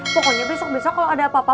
pokoknya besok besok kalau ada apa apa